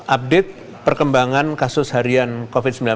update perkembangan kasus harian covid sembilan belas